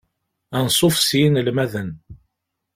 Ansuf s yiselmaden.